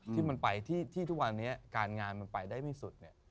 ที่ทุกวันนี้การงานมันไปได้ไม่สุดเนี่ย